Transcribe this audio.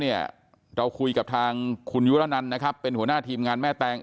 เนี่ยเราคุยกับทางคุณยุรนันนะครับเป็นหัวหน้าทีมงานแม่แตง